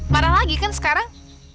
marah lagi kan sekarang